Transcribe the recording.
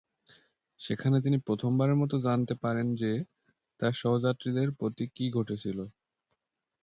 সেখানে তিনি প্রথমবারের মতো জানতে পারেন যে, তার সহযাত্রীদের প্রতি কী ঘটেছিল।